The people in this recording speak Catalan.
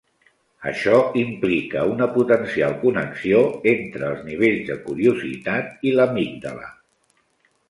Això implica una potencial connexió entre els nivells de curiositat i l'amígdala.